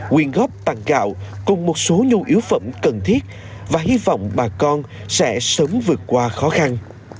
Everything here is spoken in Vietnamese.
quyên góp tặng gạo cùng một số nhu yếu phẩm cần thiết và hy vọng bà con sẽ sớm vượt qua khó khăn